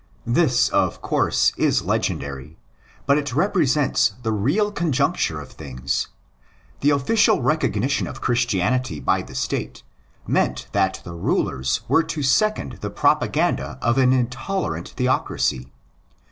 This, of course, is legendary; but it represents the real conjuncture of things. The official recognition of Christianity by 42 THE ORIGINS OF CHRISTIANITY the State meant that the rulers were to second the propaganda of an intolerant theocracy.